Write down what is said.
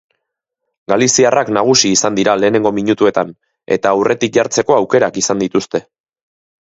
Galiziarrak nagusi izan dira lehenengo minutuetan, eta aurretik jatzeko aukerak izan dituzte.